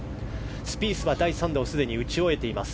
スピースは第３打をすでに打ち終えています。